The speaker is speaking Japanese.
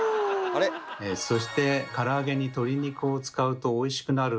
そしてから揚げに鶏肉を使うとおいしくなる